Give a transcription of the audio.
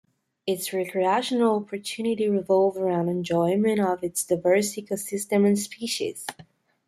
Its recreational opportunities revolve around enjoyment of its diverse ecosystems and species.